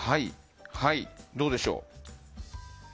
どうでしょう。